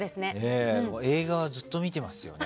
映画はずっと見てますよね